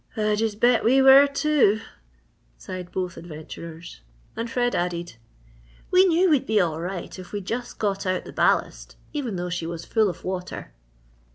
"I just bet we were too!" sighed both adventurers. And Fred added: "We knew we'd be all right if we just got out the ballast, even though she was full of water."